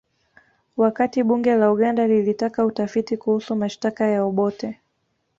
Wakati bunge la Uganda lilitaka utafiti kuhusu mashtaka ya Obote